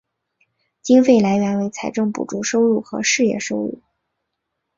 经费来源为财政补助收入和事业收入。